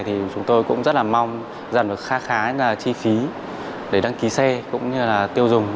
thì chúng tôi cũng rất là mong giảm được khá là chi phí để đăng ký xe cũng như là tiêu dùng